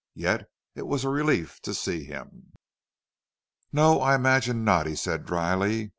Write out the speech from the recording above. Yet it was a relief to see him. "No, I imagine not," he said, dryly.